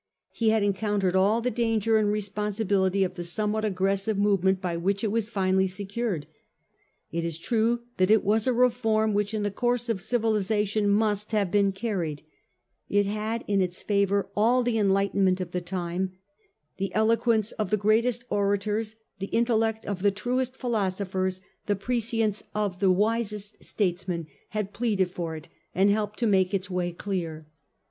He had en countered all the danger and responsibility of the somewhat aggressive movement by which it was finally secured. It is true that it was a reform which in the course of civilisation must have been carried. It had in its favour all the enlightenment of the time. The eloquence of the greatest orators, the intellect of the truest philosophers, the prescience of the wisest statesmen had pleaded for it and helped to make its way clear.